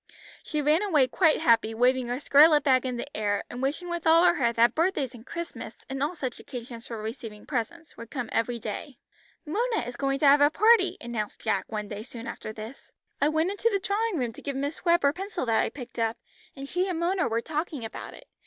She ran away quite happy, waving her scarlet bag in the air, and wishing with all her heart that birthdays and Christmas, and all such occasions for receiving presents, would come every day. "Mona is going to have a party," announced Jack one day soon after this. "I went into the drawing room to give Miss Webb her pencil that I picked up, and she and Mona were talking about it.